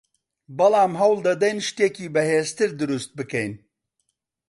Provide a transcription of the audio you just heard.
بەڵام هەوڵدەدەین شتێکی بەهێزتر دروست بکەین